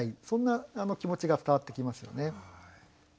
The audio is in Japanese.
そんな気持ちが伝わってきますよね。